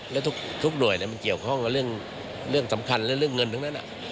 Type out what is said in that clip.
และทุกหน่วยมันเกี่ยวข้องกับเรื่องสำคัญและเรื่องเงินทั้งนั้น